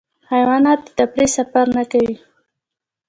حیوانات د تفریح سفر نه کوي.